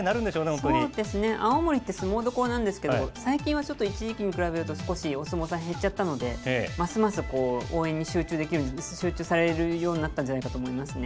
そうですね、青森って相撲どころなんですけど、最近はちょっと一時期に比べると、少しお相撲さん減っちゃったので、ますますこう、応援に集中できる、集中されるようになったんじゃないかなと思いますね。